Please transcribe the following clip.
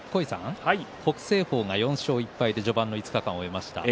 北青鵬、４勝１敗で序盤５日間を終えました。